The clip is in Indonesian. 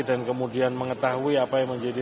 dan kemudian mengetahui apa yang menjadi